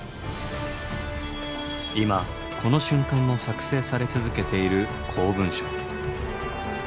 今この瞬間も作成され続けている公文書。